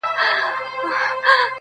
• نه محتاجه د بادار نه د انسان یو -